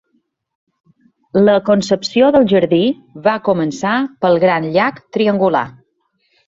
La concepció del jardí va començar pel gran llac triangular.